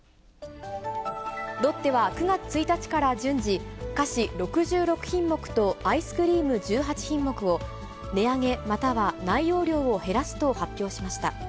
ロッテは９月１日から順次、菓子６６品目とアイスクリーム１８品目を、値上げまたは内容量を減らすと発表しました。